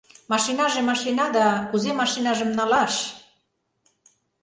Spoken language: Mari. — Машинаже машина да, кузе машинажым налаш?